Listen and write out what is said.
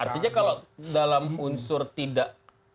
artinya kalau dalam unsur tidak